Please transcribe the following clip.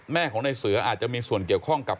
แม่ของในเสืออาจจะมีส่วนเกี่ยวข้องกับ